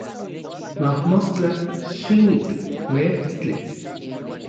mojmostla, xiuitl, meetstli